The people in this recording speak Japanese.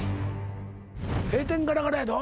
閉店ガラガラやど。